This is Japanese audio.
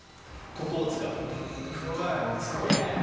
ここを使う。